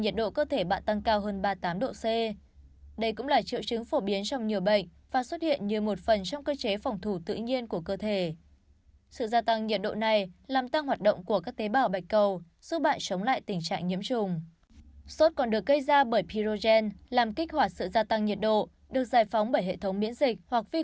sốt là dấu hiệu ngộ độc thực phẩm khi nhiệt độ cơ thể bạn tăng cao hơn ba mươi tám độ c